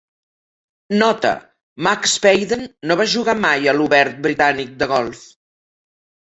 Nota: McSpaden no va jugar mai a l'Obert Britànic de Golf.